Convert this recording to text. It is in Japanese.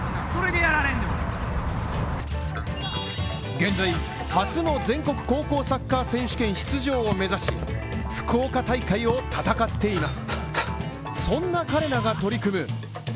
現在、初の全国高校サッカー選手権出場を目指す福岡大会を戦っています。